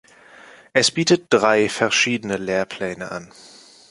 Es bietet drei verschiedene Lehrpläne an.